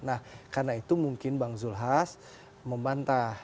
nah karena itu mungkin bang zul khas membantah